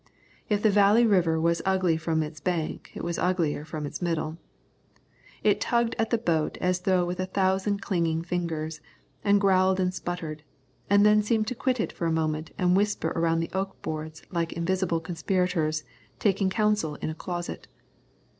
If the Valley River was ugly from its bank it was uglier from its middle. It tugged at the boat as though with a thousand clinging fingers, and growled and sputtered, and then seemed to quit it for a moment and whisper around the oak boards like invisible conspirators taking counsel in a closet.